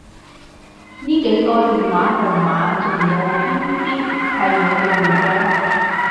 呢幾個電話號碼仲有邊啲係冇用嘅？